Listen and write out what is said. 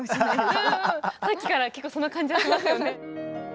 うんうんさっきから結構その感じはしますよね。